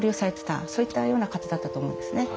そういったような方だったと思うんですね。